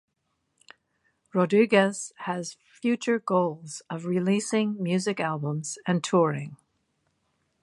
Rodriguez has future goals of releasing music albums and touring.